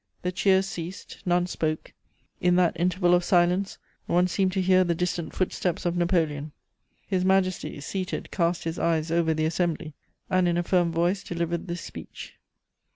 The cheers ceased; none spoke: in that interval of silence, one seemed to hear the distant footsteps of Napoleon. His Majesty, seated, cast his eyes over the assembly, and in a firm voice delivered this speech: [Sidenote: The King's speech.